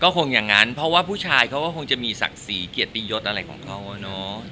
คงอย่างนั้นเพราะว่าผู้ชายเขาก็คงจะมีศักดิ์ศรีเกียรติยศอะไรของเขาอะเนาะ